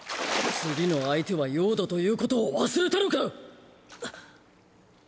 次の相手は葉だということを忘れたのか！